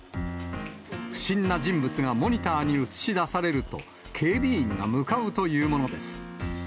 不審な人物がモニターに映し出されると、警備員が向かうというものです。